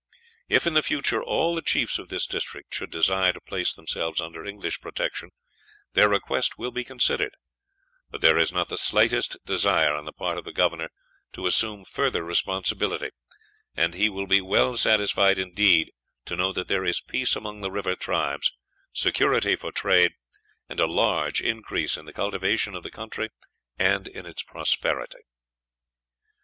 If in the future all the chiefs of this district should desire to place themselves under English protection, their request will be considered; but there is not the slightest desire on the part of the Governor to assume further responsibility, and he will be well satisfied indeed to know that there is peace among the river tribes, security for trade, and a large increase in the cultivation of the country and in its prosperity."